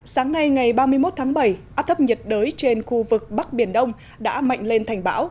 sáng nay ngày ba mươi một tháng bảy áp thấp nhiệt đới trên khu vực bắc biển đông đã mạnh lên thành bão